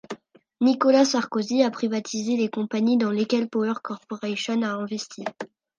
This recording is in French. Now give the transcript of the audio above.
Nicolas Sarkozy a privatisé les compagnies dans lesquelles Power Corporation a investi.